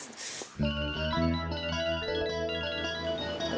bisa kita berbual lagi